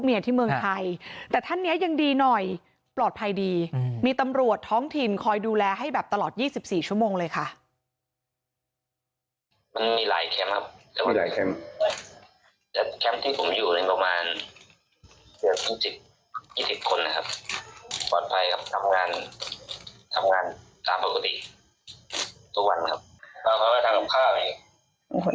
แบบแคมป์ครับที่ผมอยู่ประมาณ๒๐๒๕คนครับปลอดภัยครับทำงานตามปกติทุกวันครับทำคำค่าอยู่กำลังจะไปทำงานเตรียมตัวทำงานนะครับ